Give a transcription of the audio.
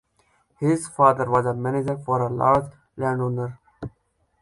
His father was a manager for a large landowner.